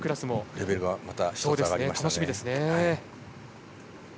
レベルがまた１つ上がりましたね。